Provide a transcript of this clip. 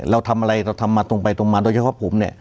เราทำอะไรเราทำมาตรงไปตรงมาโดยเฉพาะผมเนี่ย